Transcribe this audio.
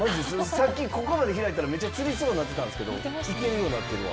さっきここまで開いたらめっちゃつりそうになってたんですけどいけるようになってるわ。